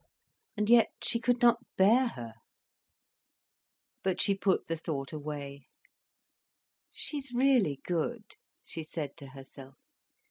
And yet she could not bear her. But she put the thought away. "She's really good," she said to herself.